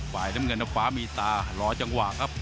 ฝ่ายน้ำเงินฟ้ามีตารอจังหวะครับ